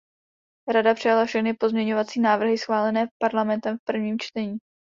Rada přijala všechny pozměňovací návrhy schválené Parlamentem v prvním čtení.